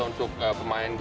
untuk pemain gitu